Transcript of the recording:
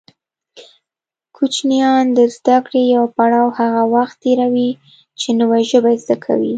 کوشنیان د زده کړې يو پړاو هغه وخت تېروي چې نوې ژبه زده کوي